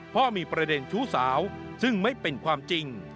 เพราะมีประเด็นชู้สาวซึ่งไม่เป็นความจริง